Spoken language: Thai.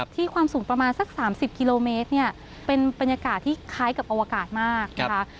ความสูงประมาณสัก๓๐กิโลเมตรเนี่ยเป็นบรรยากาศที่คล้ายกับอวกาศมากนะคะ